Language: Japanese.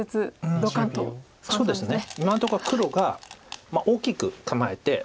今のところは黒が大きく構えて。